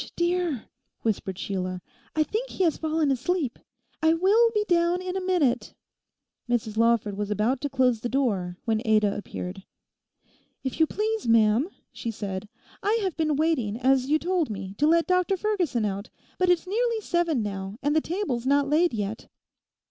'Ssh, dear!' whispered Sheila, 'I think he has fallen asleep. I will be down in a minute.' Mrs Lawford was about to close the door when Ada appeared. 'If you please, ma'am,' she said, 'I have been waiting, as you told me, to let Dr Ferguson out, but it's nearly seven now; and the table's not laid yet.